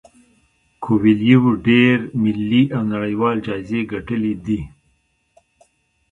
کویلیو ډیر ملي او نړیوال جایزې ګټلي دي.